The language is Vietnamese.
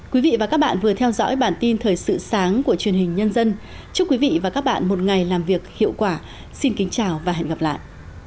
quý vị và các bạn vừa theo dõi bản tin thời sự sáng của truyền hình nhân dân chúc quý vị và các bạn một ngày làm việc hiệu quả xin kính chào và hẹn gặp lại